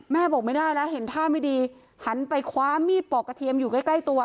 บอกไม่ได้แล้วเห็นท่าไม่ดีหันไปคว้ามีดปอกกระเทียมอยู่ใกล้ใกล้ตัว